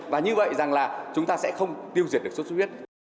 và như vậy rằng là chúng ta sẽ không tiêu diệt được sốt xuất huyết